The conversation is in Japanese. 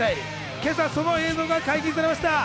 今朝その映像が解禁されました。